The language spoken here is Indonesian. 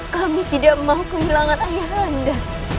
kami tidak mau kehilangan ayahanda